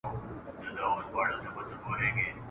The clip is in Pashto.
آیا ملالي بیرغ واخیست؟